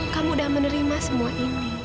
kamu udah menerima semua ini